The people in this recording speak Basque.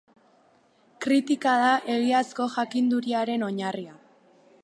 Kritika da egiazko jakinduriaren oinarria.